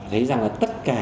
thấy rằng là tất cả